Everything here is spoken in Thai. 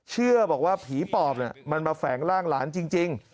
เชื่อบอกว่าผีปอบมันมาแฝงร่างหลานจริง